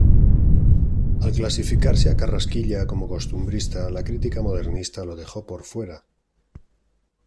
Al clasificarse a Carrasquilla como costumbrista, la crítica modernista lo dejó por fuera.